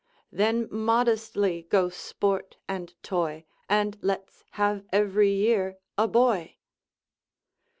——— Then modestly go sport and toy, And let's have every year a boy.